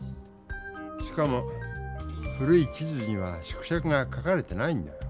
しかも古い地図には縮尺が書かれてないんだ。